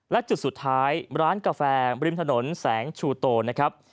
และจุดสุดท้ายร้านกาแฟริมถนนแสงชูโตนะครับ